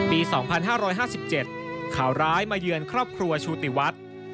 ปี๒๕๕๗ข่าวร้ายมาเยือนครอบครัวชูติวัฒน์